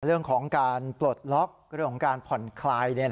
เรื่องของการปลดล็อกเรื่องของการผ่อนคลาย